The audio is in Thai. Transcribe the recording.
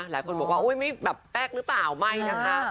หลายคนบอกว่าแป๊กหรือเปล่าไม่นะคะ